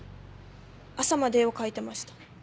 朝まで絵を描いてました。